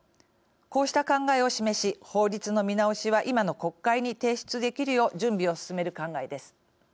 こうした考えを示し、法律の見直しは今の国会に提出できるよう準備を進める考えです。